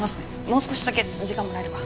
もう少しだけ時間もらえれば。